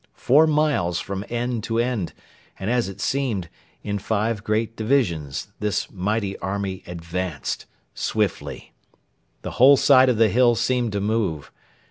Four miles from end to end, and, as it seemed, in five great divisions, this mighty army advanced swiftly. The whole side of the hill seemed to move.